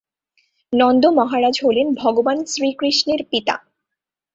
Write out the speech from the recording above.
নন্দ মহারাজ হলেন ভগবান শ্রীকৃষ্ণের পিতা।